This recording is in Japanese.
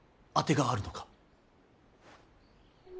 当てがあるのか。